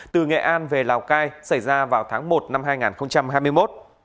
từ nghệ an về lào cai xảy ra vào tháng một năm hai nghìn hai mươi một